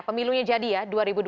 pemilunya jadi ya dua ribu dua puluh